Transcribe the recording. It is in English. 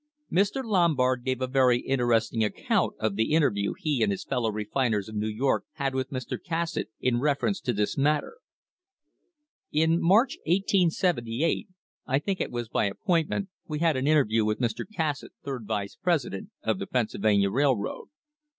Mr. Lombard gave a very interesting account of the inter view he and his fellow refiners of New York had with Mr. Cassatt in reference to this matter: "In March, 1878, I think it was by appointment, we had an interview with Mr. Cassatt, third vice president of the Pennsylvania Railroad.